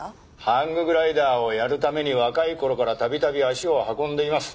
ハンググライダーをやるために若い頃から度々足を運んでいます。